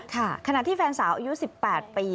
ขณะที่แฟนสาวอายุ๑๘ปี